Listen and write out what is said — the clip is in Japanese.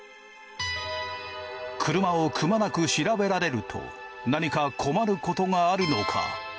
車をくまなく調べられると何か困ることがあるのか？